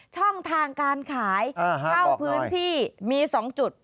ช่องทางการขายเข้าพื้นที่มี๒จุด